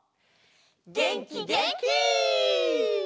げんきげんき！